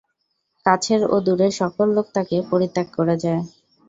কাছের ও দূরের সকল লোক তাঁকে পরিত্যাগ করে যায়।